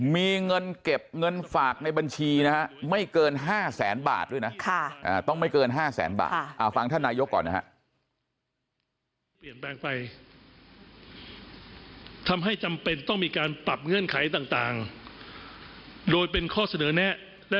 มีเงินเก็บเงินฝากในบัญชีนะฮะไม่เกิน๕แสนบาทด้วยนะ